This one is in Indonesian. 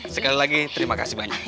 sekali lagi terima kasih banyak